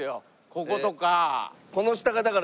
こことか。